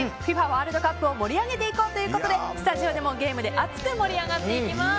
ワールドカップを盛り上げていこうということでスタジオでもゲームで熱く盛り上がっていきます。